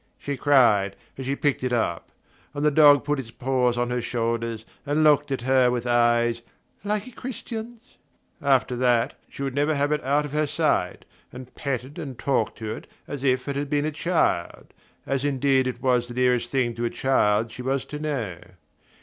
she cried as she picked it up; and the dog put its paws on her shoulders and looked at her with eyes "like a Christian's." After that she would never have it out of her sight, and petted and talked to it as if it had been a child as indeed it was the nearest thing to a child she was to know.